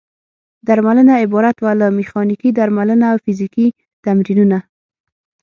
درملنه عبارت وه له: میخانیکي درملنه او فزیکي تمرینونه.